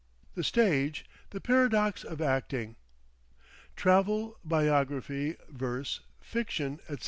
The Stage; the Paradox of Acting. Travel Biography, Verse, Fiction, etc.